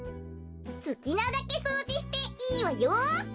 すきなだけそうじしていいわよ。